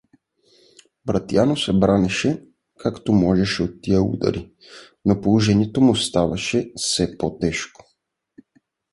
Братиано се бранеше, както можеше от тия удари, но положението му ставаше се по-тежко.